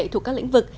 thuộc các lĩnh vực